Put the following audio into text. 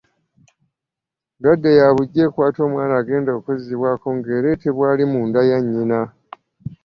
Ndwadde ya buggya ekwata omwana agenda okuzzibwako ng’ereetebwa ali munda ya nnyina.